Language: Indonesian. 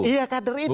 iya kader itu